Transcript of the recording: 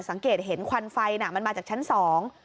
สังเกตเห็นควันไฟน่ะมันมาจากชั้นสอง